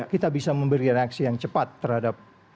kita bisa memberi reaksi yang cepat terhadap